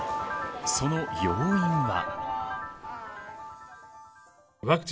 その要因は。